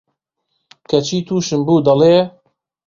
کەچی تووشم بوو، دەڵێ: